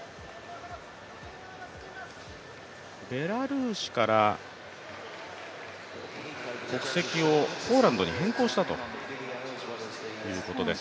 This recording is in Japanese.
ベラルーシから国籍をポーランドに変更したということです。